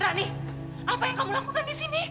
rani apa yang kamu lakukan di sini